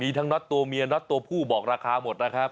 ทั้งน็อตตัวเมียน็อตตัวผู้บอกราคาหมดนะครับ